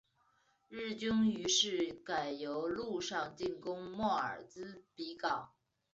日军于是改由陆上进攻莫尔兹比港。